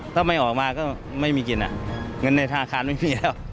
ถ้าไม่ออกมาก็ไม่มีกินเงินในธนาคารไม่มีแล้ว